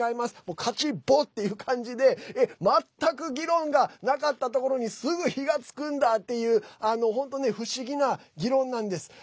カチッ！ボッ！っていう感じで全く議論がなかったところにすぐ火がつくんだっていう本当ね、不思議な議論なんです。